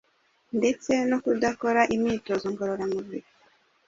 ndetse no kudakora imyitozo ngororamubiri.